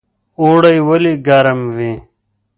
اوړی ولې ګرم وي؟